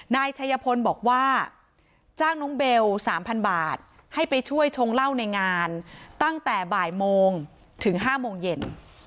นายชัยพลบอกว่าจ้างน้องเบล๓๐๐บาทให้ไปช่วยชงเหล้าในงานตั้งแต่บ่ายโมงถึง๕โมงเย็น